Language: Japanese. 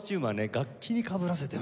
楽器にかぶらせてますね。